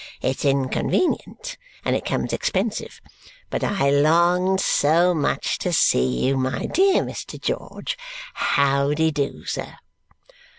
It's inconvenient and it comes expensive. But I longed so much to see you, my dear Mr. George. How de do, sir?"